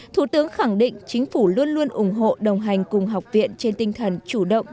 thủ tướng khẳng định chính phủ luôn luôn ủng hộ đồng hành cùng học viện trên tinh thần chủ động